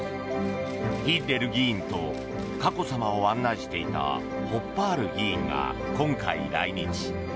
ヒッレル議員と佳子さまを案内していたホッパール議員が今回、来日。